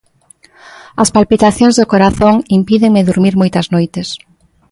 As palpitacións do corazón impídenme durmir moitas noites.